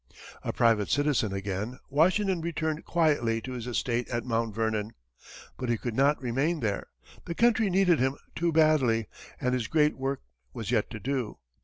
A private citizen again, Washington returned quietly to his estate at Mount Vernon. But he could not remain there the country needed him too badly, and his great work was yet to do.